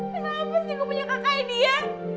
kenapa sih gue punya kakaknya dia